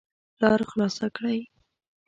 لار خلاصه کړئ